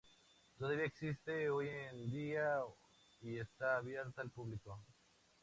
Todavía existe hoy en día y está abierta al público.